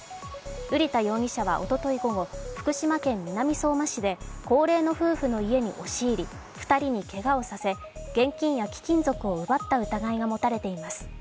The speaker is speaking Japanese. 瓜田容疑者はおととい午後、福島県南相馬市で高齢の夫婦の家に押し入り２人にけがをさせ現金や貴金属を奪った疑いが持たれています。